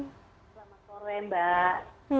selamat sore mbak